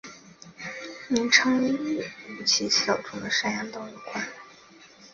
名称与五畿七道中的山阳道有关。